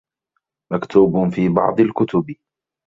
مَكْتُوبٌ فِي بَعْضِ الْكُتُبِ